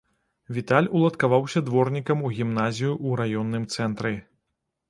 Віталь уладкаваўся дворнікам у гімназію ў раённым цэнтры.